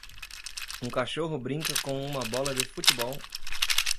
Um cachorro brinca com uma bola de futebol